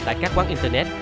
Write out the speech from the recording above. tại các quán internet